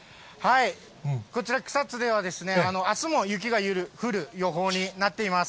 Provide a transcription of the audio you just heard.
こちら、草津では、あすも雪が降る予報になっています。